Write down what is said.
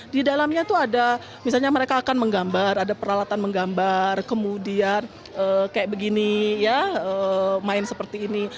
di dalamnya tuh ada misalnya mereka akan menggambar ada peralatan menggambar kemudian kayak begini ya main seperti ini